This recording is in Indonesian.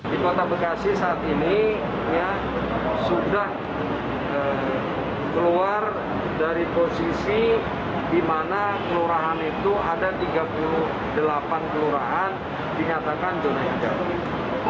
di kota bekasi saat ini sudah keluar dari posisi di mana kelurahan itu ada tiga puluh delapan kelurahan dinyatakan zona hijau